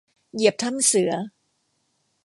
เหยียบถ้ำเสือ